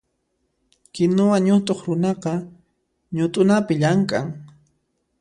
Kinuwa ñutuq runaqa ñutunapi llamk'an.